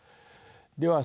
では